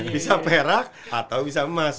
bisa perak atau bisa emas